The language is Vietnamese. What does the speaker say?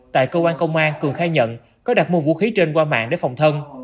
tại công an cường khai nhận có đặt mua vũ khí trên qua mạng để phòng thân